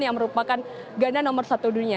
yang merupakan ganda nomor satu dunia